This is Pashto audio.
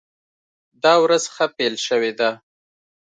دا ورځ ښه پیل شوې ده.